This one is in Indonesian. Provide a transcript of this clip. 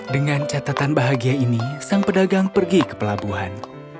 dengan catatan bahagia ini sang pedagang pergi ke pelabuhan